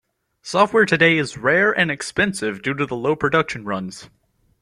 Software today is rare and expensive due to the low production runs.